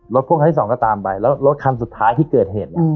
พ่วงคันที่สองก็ตามไปแล้วรถคันสุดท้ายที่เกิดเหตุเนี่ย